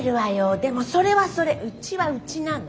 でもそれはそれうちはうちなの。